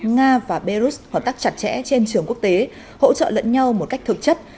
nga và belarus hoạt tác chặt chẽ trên trường quốc tế hỗ trợ lẫn nhau một cách thực chất